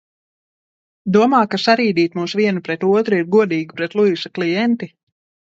Domā, ka sarīdīt mūs vienu pret otru ir godīgi pret Luisa klienti?